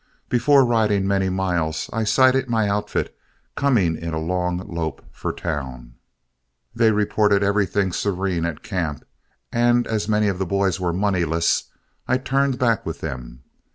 Before riding many miles I sighted my outfit coming in a long lope for town. They reported everything serene at camp, and as many of the boys were moneyless, I turned back with them.